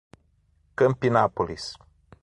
Campinápolis